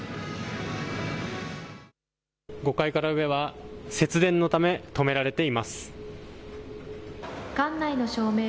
５階から上は節電のため、止められています。